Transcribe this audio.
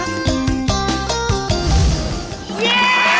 เย้